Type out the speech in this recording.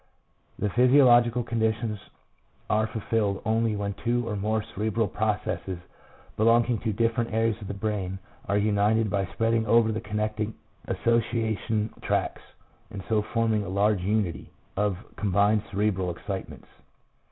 "The physiological conditions are fulfilled only when two or more cerebral processes, belonging to different areas of the brain, are united by spreading over the connecting association tracts, and so forming a larger unity (?) of combined cerebral excitements."